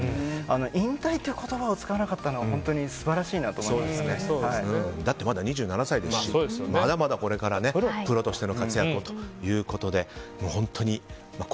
引退という言葉を使わなかったのはだって、まだ２７歳ですしまだまだこれからプロとしての活躍をということで。